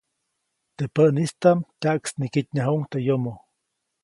Teʼ päʼnistaʼm tyaʼksniketnyajuʼuŋ teʼ yomo.